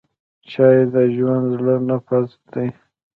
چای د ژوندي زړه نبض دی.